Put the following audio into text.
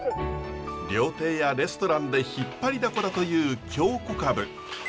料亭やレストランで引っ張りだこだという京こかぶ。